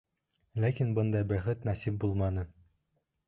Ләкин бындай бәхет насип булманы.